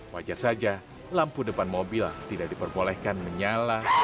wajar saja lampu depan mobil tidak diperbolehkan menyala